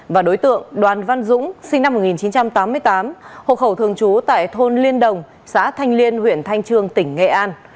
và đối tượng đoàn văn dũng sinh năm một nghìn chín trăm tám mươi tám hộ khẩu thường trú tại thôn liên đồng xã thanh liên huyện thanh trương tỉnh nghệ an